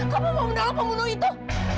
kamu mau undang pembunuh itu